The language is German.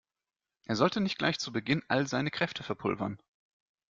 Er sollte nicht gleich zu Beginn all seine Kräfte verpulvern.